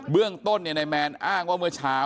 เรื่องต้นนายแมนอ้างว่าเมื่อเช้า